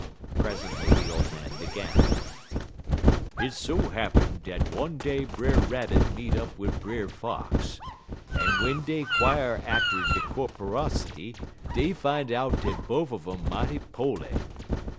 Presently the old man began: "Hit so happen dat one day Brer Rabbit meet up wid Brer Fox, en w'en dey 'quire atter der corporosity, dey fine out dat bofe un um mighty po'ly.